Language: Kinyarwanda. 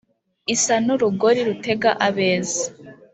isa n'urugori rutega abeza